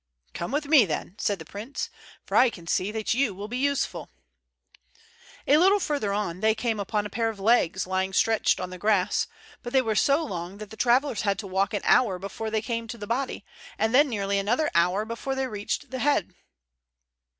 "Come with me, then," said the prince, "for I can see that you will be useful." A little farther on they came upon a pair of legs lying stretched on the grass, but they were so long that the travelers had to walk an hour before they came to the body, and then nearly another hour before they reached the head.